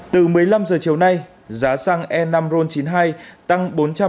từ một mươi năm h chiều nay giá xăng e năm ron chín mươi hai tăng bốn trăm linh